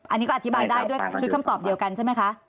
อันนี้ก็อธิบายได้ด้วยชุดคำตอบเดียวกันใช่ไหมคะ